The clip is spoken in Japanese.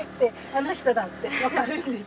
「あの人だ！」ってわかるんです。